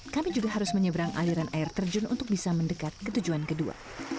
kami juga harus menyeberang aliran air terjun untuk bisa mendekat ke tujuan kedua